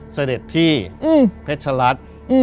เสด็จพี่เพชรรัฐ